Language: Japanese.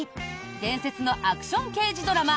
伝説のアクション刑事ドラマ